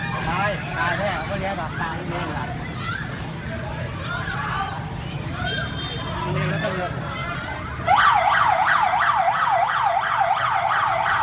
วันนี้แหละวันนี้แหละตอนนี้อย่างนั้น